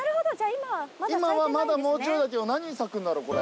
今はまだもうちょいだけど何咲くんだろこれ。